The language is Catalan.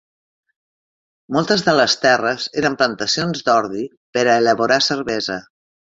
Moltes de les terres eren plantacions d'ordi per a elaborar cervesa.